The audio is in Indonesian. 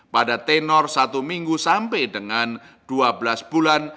pada tenor satu minggu sampai dengan dua belas bulan